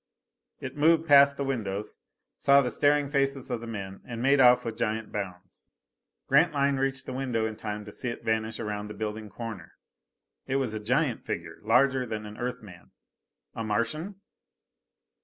It moved past the windows, saw the staring faces of the men, and made off with giant bounds. Grantline reached the window in time to see it vanish around the building corner. It was a giant figure, larger than an Earth man. A Martian?